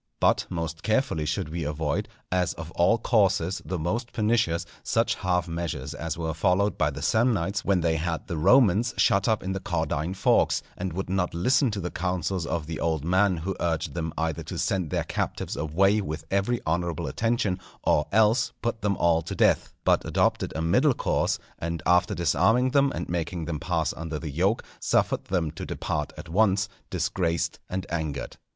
But most carefully should we avoid, as of all courses the most pernicious, such half measures as were followed by the Samnites when they had the Romans shut up in the Caudine Forks, and would not listen to the counsels of the old man who urged them either to send their captives away with every honourable attention, or else put them all to death; but adopted a middle course, and after disarming them and making them pass under the yoke, suffered them to depart at once disgraced and angered.